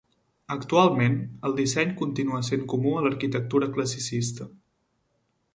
Actualment, el disseny continua sent comú a l'arquitectura classicista.